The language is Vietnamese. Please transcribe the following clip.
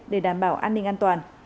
để đảm bảo an ninh an toàn